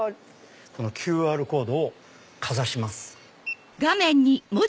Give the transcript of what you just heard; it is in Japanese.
このＱＲコードをかざします。